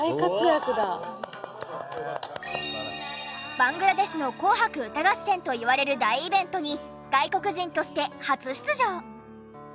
バングラデシュの『紅白歌合戦』といわれる大イベントに外国人として初出場。